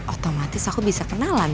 otomatis aku bisa kenalan